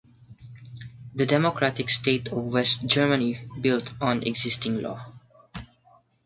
The democratic state of West Germany built on existing law.